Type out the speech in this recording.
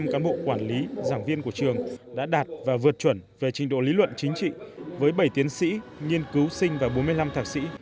một trăm linh cán bộ quản lý giảng viên của trường đã đạt và vượt chuẩn về trình độ lý luận chính trị với bảy tiến sĩ nghiên cứu sinh và bốn mươi năm thạc sĩ